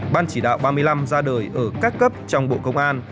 ban chỉ đạo ba mươi năm ra đời ở các cấp trong bộ công an